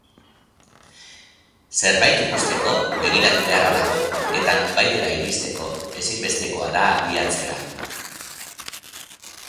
Zerbait ikusteko begiratu beharra dago eta nonbaitera iristeko ezinbestekoa da abiatzea.